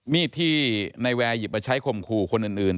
มีดที่นายแวร์หยิบมาใช้ข่มขู่คนอื่น